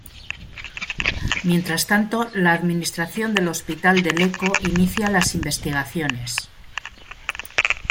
Mientras tanto, la administración del hospital de Lecco inicia las investigaciones.